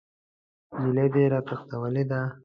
نجلۍ دې راتښتولې ده!